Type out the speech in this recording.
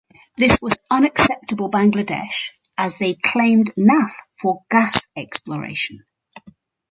This was unacceptable Bangladesh as they claimed Naaf for gas exploration.